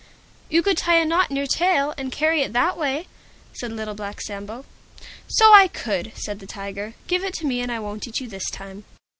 "You could tie a knot on your tail and carry it that way," said Little Black Sambo. "So I could," said the Tiger. "Give it to me, and I won't eat you this time."